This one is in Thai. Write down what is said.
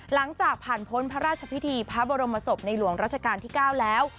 หลังจากผ่านพ้นพระราชพิธีพระบรมศพในหลวงราชการที่๙แล้ว